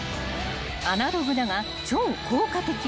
［アナログだが超効果的］